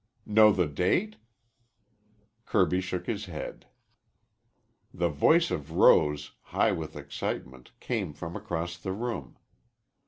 "Know the date?" Kirby shook his head. The voice of Rose, high with excitement, came from across the room.